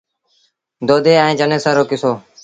دو دي ائيٚݩ چنيسر رو ڪسو۔